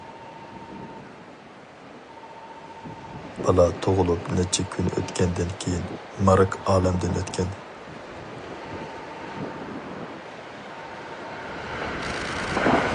بالا تۇغۇلۇپ نەچچە كۈن ئۆتكەندىن كېيىن مارك ئالەمدىن ئۆتكەن.